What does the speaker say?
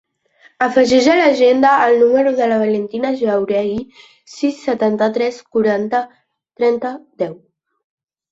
Afegeix a l'agenda el número de la Valentina Jauregi: sis, setanta-tres, quaranta, trenta, deu.